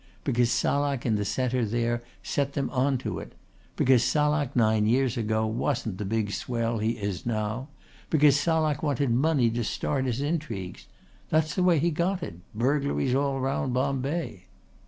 Because Salak in the centre there set them on to it. Because Salak nine years ago wasn't the big swell he is now. Because Salak wanted money to start his intrigues. That's the way he got it burglaries all round Bombay."